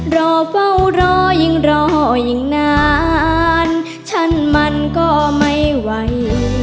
รอเฝ้ารอยิ่งรอยิ่งนานฉันมันก็ไม่ไหว